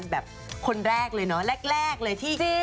แบบคนแรกเลยเนอะแรกเลยที่